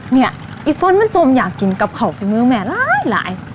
เนี่ยไอ้ฟนมันจมอยากกินกับข่าวฟรีมือแม่หลาย